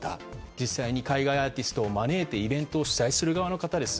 実際に海外アーティストを招いてイベントを主催する側の方です。